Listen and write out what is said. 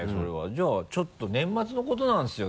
じゃあちょっと年末のことなんですよ